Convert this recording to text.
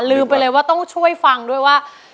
ลืมไปเลยว่าต้องช่วยฟังด้วยว่า